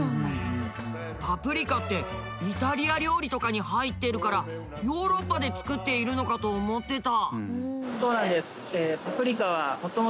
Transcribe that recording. パプリカってイタリア料理とかに入ってるからヨーロッパで作っているのかと思ってた。